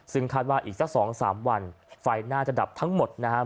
ซึ่งคาดว่าอีกสัก๒๓วันไฟน่าจะดับทั้งหมดนะครับ